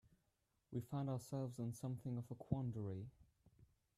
We find ourselves in something of a quandary.